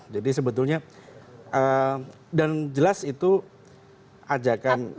jadi sebetulnya dan jelas itu ajakan